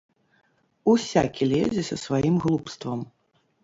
Усякі лезе са сваім глупствам!